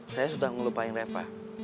saya sudah ngelupain reva